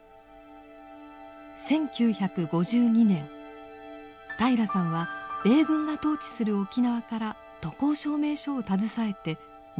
１９５２年平良さんは米軍が統治する沖縄から渡航証明書を携えて日本の本土に留学。